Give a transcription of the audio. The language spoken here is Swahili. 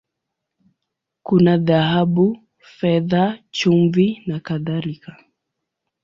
Kuna dhahabu, fedha, chumvi, na kadhalika.